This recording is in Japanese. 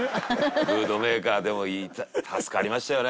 ムードメーカーでもいい助かりましたよね